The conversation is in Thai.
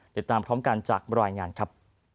เดี๋ยวตามพร้อมกันจากบริหารงานครับ